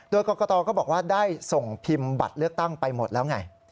โดยกรกตก็บอกว่าได้ส่งพิมพ์บัตรเลือกตั้งไปหมดแล้วไง